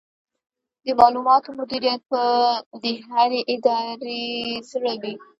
د معلوماتو مدیریت به د هرې ادارې زړه وي.